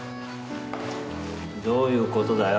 どういう事だよ？